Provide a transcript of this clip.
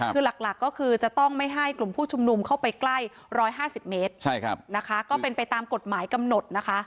คือหลักก็คือจะต้องไม่ให้กลุ่มผู้ชุมนุมเข้าไปใกล้๑๕๐เมตรนะคะก็เป็นไปตามกฎหมายกำหนดนะคะ